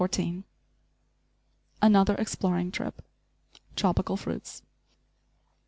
* *Another Exploring Trip; Tropical Fruits.